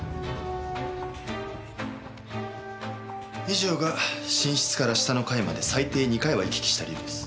以上が寝室から下の階まで最低２回は行き来した理由です。